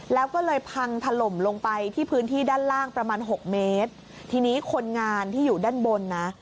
แล้วก็เลยพังถล่มลงไปที่พื้นที่ด้านล่างประมาณหกเมตรทีนี้คนงานที่อยู่ด้านบนนะ